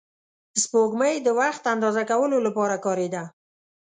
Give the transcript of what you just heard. سپوږمۍ د وخت اندازه کولو لپاره کارېده